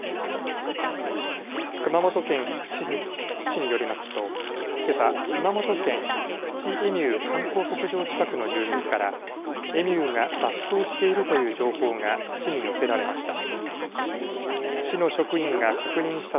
熊本県菊池市によりますとけさ、熊本県菊池エミュー観光牧場近くの住民からエミューが脱走しているという情報が市に寄せられました。